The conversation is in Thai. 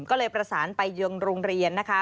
ก็เลยประสานไปยังโรงเรียนนะคะ